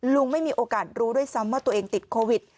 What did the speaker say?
ไม่มีโอกาสรู้ด้วยซ้ำว่าตัวเองติดโควิด